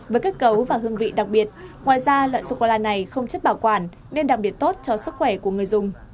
với kết cấu và hương vị đặc biệt ngoài ra loại sô cô la này không chất bảo quản nên đặc biệt tốt cho sức khỏe của người dùng